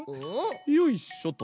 よいしょと。